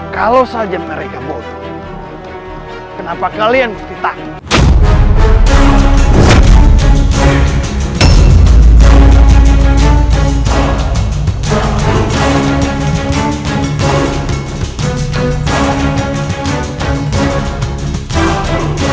kalau saja mereka bodoh kenapa kalian harus ditakut